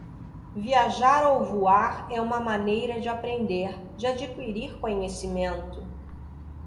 Viajar ou voar é uma maneira de aprender, de adquirir conhecimento.